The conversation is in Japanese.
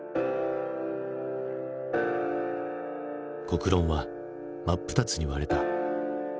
国論は真っ二つに割れた。